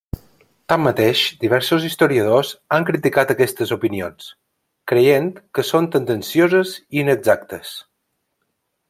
Tanmateix, diversos historiadors han criticat aquestes opinions, creient que són tendencioses o inexactes.